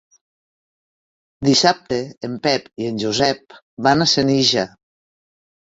Dissabte en Pep i en Josep van a Senija.